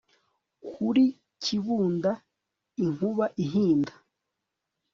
kuri kibunda inkuba ihinda